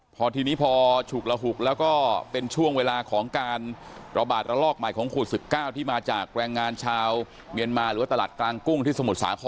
พอทีนี้พอฉุกละหุกแล้วก็เป็นช่วงเวลาของการระบาดระลอกใหม่ของขุส๑๙ที่มาจากแรงงานชาวเมียนมา